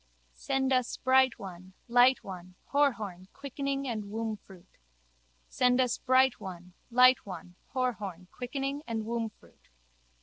Send us bright one, light one, Horhorn, quickening and wombfruit. Send us bright one, light one, Horhorn, quickening and wombfruit.